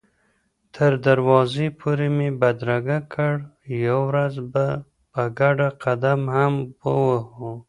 تر دروازې پورې مې بدرګه کړ، یوه ورځ به په ګډه قدم هم ووهو.